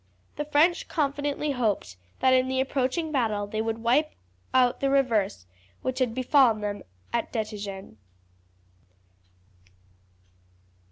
The French confidently hoped that in the approaching battle they would wipe our the reverse which had befallen them at Dettingen.